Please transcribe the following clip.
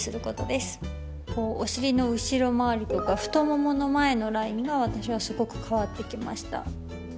お尻の後ろ周りとか太ももの前のラインが私はすごく変わってきました。